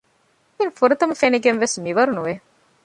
ޔާސިން ފުރަތަމަ ފެނިގެންވެސް މިވަރުނުވެ